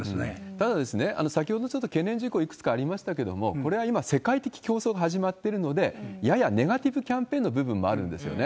ただ、先ほどちょっと懸念事項いくつかありましたけれども、これは今世界的競争が始まっているので、ややネガティブキャンペーンのような部分もあるんですよね。